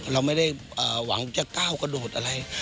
เราไม่ได้หวังจะก้าวกระโดดอะไร